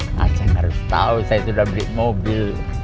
saya nggak harus tahu saya sudah beli mobil